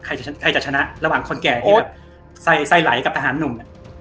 ใครจะชนะระหว่างคนแก่ที่แบบใส่ไหลกับทหารหนุ่ม